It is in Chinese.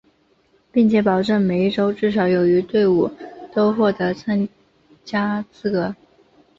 并且保证每一洲至少有一队伍都获得参加资格。